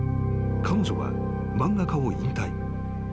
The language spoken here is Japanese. ［彼女は漫画家を引退］